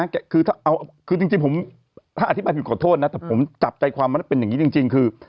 แกบอกอย่างนี้นะถ้าอธิบายผิดขอโทษนะแต่ผมจับใจความมันเป็นอย่างนี้จริงคือ